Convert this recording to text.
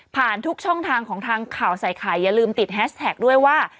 ทุกช่องทางของทางข่าวใส่ไข่อย่าลืมติดแฮชแท็กด้วยว่า